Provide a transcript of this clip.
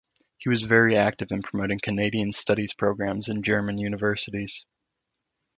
He was very active in promoting Canadian Studies programs in German universities.